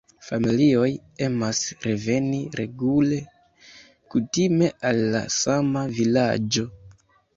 Familioj emas reveni regule, kutime al la sama vilaĝo.